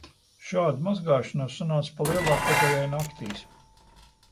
Šāda mazgāšanās sanāca pa lielākai daļai naktīs.